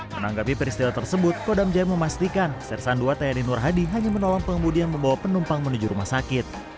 menanggapi peristiwa tersebut kodam jaya memastikan sersan ii tni nur hadi hanya menolong pengemudi yang membawa penumpang menuju rumah sakit